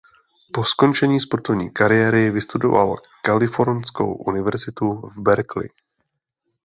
Po skončení sportovní kariéry vystudoval Kalifornskou Universitu v Berkeley.